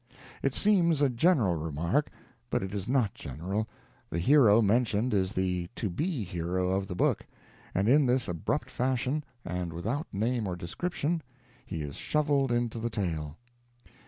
It seems a general remark, but it is not general; the hero mentioned is the to be hero of the book; and in this abrupt fashion, and without name or description, he is shoveled into the tale.